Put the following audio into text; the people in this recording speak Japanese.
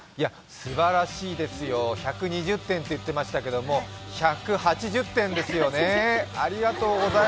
すばらしいですよ、１２０点と言ってましたけど１８０点ですよね。